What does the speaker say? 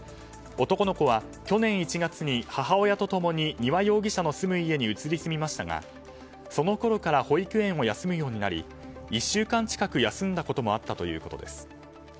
男の子は去年１月に母親と共に丹羽容疑者の住む家に移り住みましたがそのころから保育園を休むようになり１週間近く休んだこともあったということです。